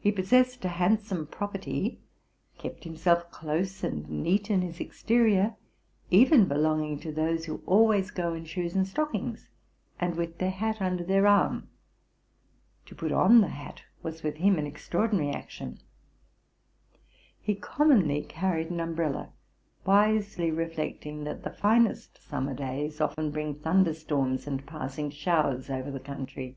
He possessed a handsome property, kept him self close and neat in his exterior, even belonging to those who always go in shoes and stockings, and with their hat under their arm. To put on the hat was with him an ex traordinary action. He commonly carried an umbrella, wisely reflecting that the finest summer days often bring thunder storms and passing showers over the country.